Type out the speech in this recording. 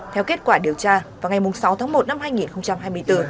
theo kết quả điều tra vào ngày sáu tháng một năm hai nghìn hai mươi bốn